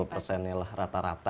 sepuluh persennya lah rata rata